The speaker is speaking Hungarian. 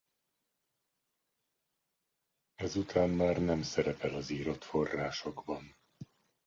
Ezután már nem szerepel az írott forrásokban.